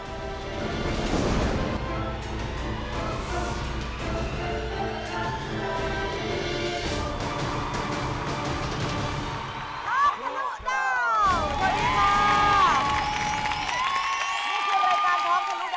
ท้องทะลุดาวสวัสดีครับ